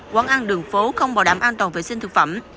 quán ăn đường phố không bảo đảm an toàn vệ sinh thực phẩm